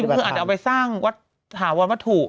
พิจีย์คืออาจจะเอาไปสร้างวัตถาวันไว้ถูก